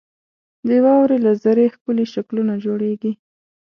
• د واورې له ذرې ښکلي شکلونه جوړېږي.